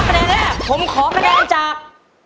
คะแนนแรกผมขอคะแนนจาก